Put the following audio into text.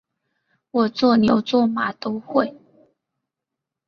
我做牛做马都会